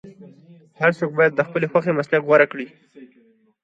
هر څوک باید د خپلې خوښې مسلک غوره کړي.